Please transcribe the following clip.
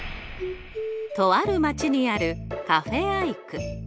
とある街にある「カフェ・アイク」。